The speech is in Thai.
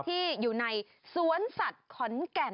ที่อยู่ในสวนสัตว์ขอนแก่น